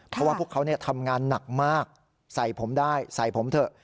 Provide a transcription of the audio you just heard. เพราะว่าพวกเขาทำงานหนักมากใส่ผมได้ใส่ผมเถอะ